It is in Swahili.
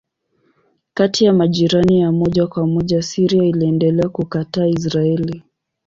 Kati ya majirani ya moja kwa moja Syria iliendelea kukataa Israeli.